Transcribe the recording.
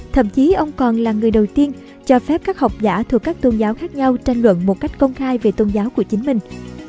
thậm chí ông còn là người đầu tiên cho phép các học giả thuộc các tôn giáo khác nhau tranh luận một cách công khai về tôn giáo của chính mình